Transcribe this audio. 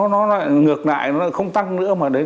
nó lại ngược lại nó lại không tăng nữa